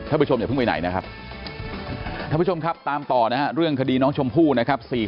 ผู้ชมอย่าเพิ่งไปไหนนะครับท่านผู้ชมครับตามต่อนะฮะเรื่องคดีน้องชมพู่นะครับ